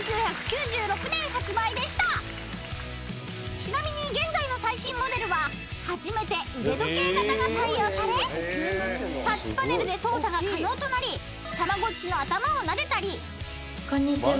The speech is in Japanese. ［ちなみに現在の最新モデルは初めて腕時計型が採用されタッチパネルで操作が可能となりたまごっちの頭をなでたり］こんにちは。